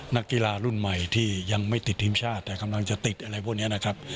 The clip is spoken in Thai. นักกีฬารุ่นใหม่ที่ยังไม่ติดทีมชาติแต่กำลังจะติดอะไรพวกนี้นะครับ